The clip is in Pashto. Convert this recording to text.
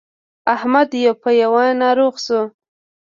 احمد يو په يو ناروغ شو.